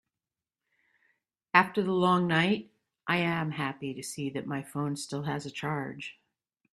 After the long night, I am happy to see that my phone still has a charge.